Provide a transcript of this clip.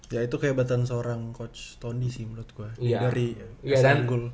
ya itu kehebatan seorang coach tony sih menurut gue dari ya